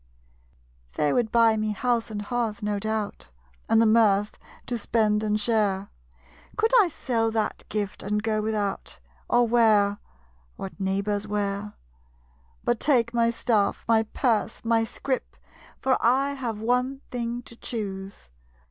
_ They would buy me house and hearth, no doubt, And the mirth to spend and share; Could I sell that gift, and go without, Or wear what neighbors wear. But take my staff, my purse, my scrip; For I have one thing to choose.